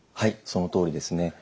そのとおりですね。